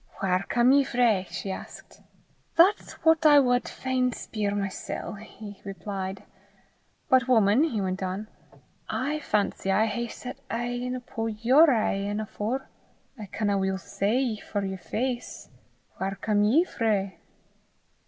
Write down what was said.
"Whaur come ye frae?" she asked. "That's what I wad fain speir mysel'," he replied. "But, wuman," he went on, "I fancy I hae set e'en upo' your e'en afore I canna weel say for yer face. Whaur come ye frae?"